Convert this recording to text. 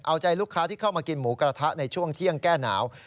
เอาใจลูกค้าที่เข้ามากินหมูกระทะในช่วงเที่ยงแก้หนาว